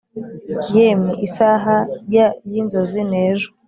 yemwe isaha ya yinzozi nejo